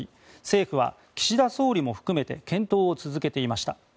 政府は岸田総理を含めて検討を続けていました。